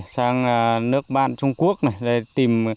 sang nước ban trung quốc để tìm